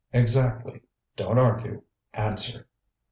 Exactly. Don't argue; answer.